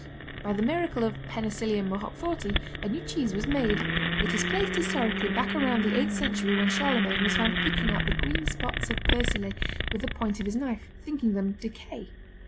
By the miracle of Penicillium Roqueforti a new cheese was made. It is placed historically back around the eighth century when Charlemagne was found picking out the green spots of Persillé with the point of his knife, thinking them decay.